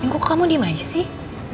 kok kamu diam aja sih